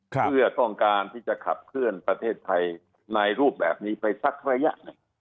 เพื่อต้องการที่จะขับเคลื่อนประเทศไทยในรูปแบบนี้ไปสักระยะหนึ่ง